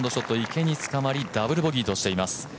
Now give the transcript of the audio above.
池につかまりダブルボギーとしています。